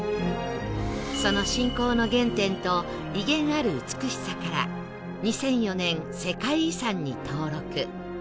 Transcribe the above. その信仰の原点と威厳ある美しさから２００４年世界遺産に登録